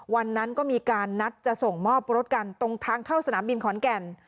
วันนั้นก็มีการนัดจะส่งมอบรถกันตรงทางเข้าสนามบินขอนแก่น